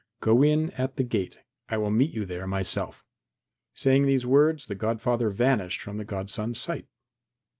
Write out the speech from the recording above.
Go in at the gate; I will meet you there myself." Saying these words the godfather vanished from the godson's sight.